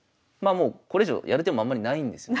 もうこれ以上やる手もあんまりないんですよね。